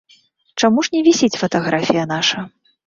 Чаму ж не вісіць фатаграфія наша?